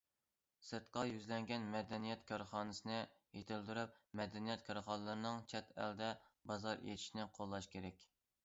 سىرتقا يۈزلەنگەن مەدەنىيەت كارخانىسىنى يېتىلدۈرۈپ، مەدەنىيەت كارخانىلىرىنىڭ چەت ئەلدە بازار ئېچىشىنى قوللاش كېرەك.